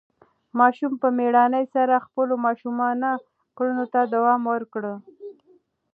ماشوم په مېړانې سره خپلو ماشومانه کړنو ته دوام ورکړ.